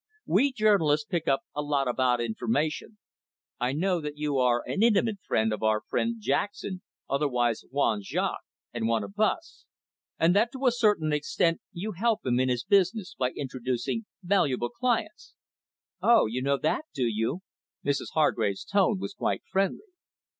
"We journalists pick up a lot of odd information. I know that you are an intimate friend of our friend Jackson, otherwise Juan Jaques, and one of us; and that to a certain extent you help him in his business, by introducing valuable clients." "Oh, you know that, do you?" Mrs Hargrave's tone was quite friendly.